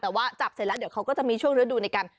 แต่ว่าจับเสร็จแล้วเดี๋ยวเขาก็จะมีช่วงฤดูในการ